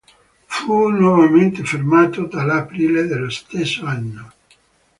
Fu nuovamente fermato nell'aprile dello stesso anno.